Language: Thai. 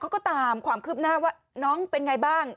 เขาก็ตามความคืบหน้าว่าน้องเป็นอย่างไรบ้าง